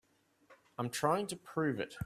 I'm trying to prove it.